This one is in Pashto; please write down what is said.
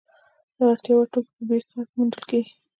د اړتیا وړ توکي په ب ښار کې موندل کیدل.